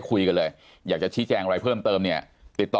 คุยกันเลยอยากจะชี้แจงอะไรเพิ่มเติมเนี่ยติดต่อ